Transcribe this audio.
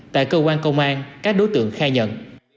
tại cơ quan công an các đối tượng khai nhận